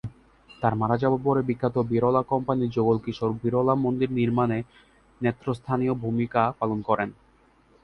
তার মারা যাবার পরে বিখ্যাত বিড়লা কোম্পানির যুগল কিশোর বিড়লা মন্দির নির্মাণে নেতৃস্থানীয় ভূমিকা পালন করেন।